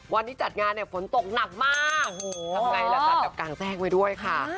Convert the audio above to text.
วันนี้จัดงานฝนตกหนักมากทำไงละท่าดับกางแซ่งไว้ด้วยค่ะ